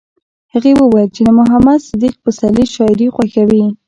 هغې وویل چې د محمد صدیق پسرلي شاعري خوښوي